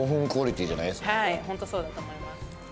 はいホントそうだと思います